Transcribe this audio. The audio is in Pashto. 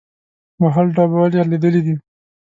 وهل ډبول یې لیدلي دي.